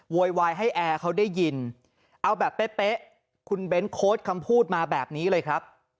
โวยวายให้แอร์เขาได้ยินเอาแบบเป๊ะคุณเบ้นโค้ดคำพูดมาแบบนี้เลยครับ